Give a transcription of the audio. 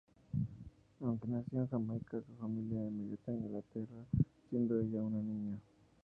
Aunque nació en Jamaica, su familia emigró a Inglaterra siendo ella una niña.